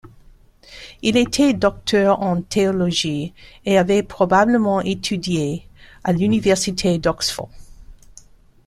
Il était docteur en théologie et avait probablement étudié à l'Université d'Oxford.